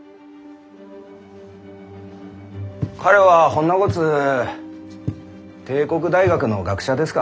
彼はほんなごつ帝国大学の学者ですか？